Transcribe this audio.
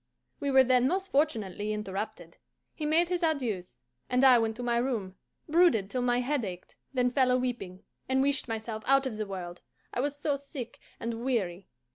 We were then most fortunately interrupted. He made his adieus, and I went to my room, brooded till my head ached, then fell a weeping, and wished myself out of the world, I was so sick and weary.